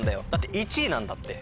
１位なんだって。